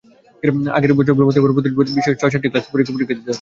আগের বছরগুলোর মতো এবারও প্রতিটি বিষয়ে ছয়-সাতটি ক্লাস করেই পরীক্ষা দিতে হবে।